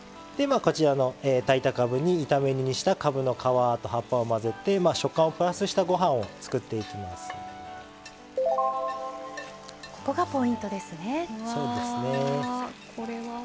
こちらの炊いたかぶに炒め煮にしたかぶの皮と葉っぱを混ぜて食感をプラスしたご飯をここがポイントですね。